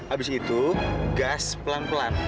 abis itu gas pelan pelan